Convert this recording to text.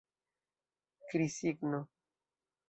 Krisigno.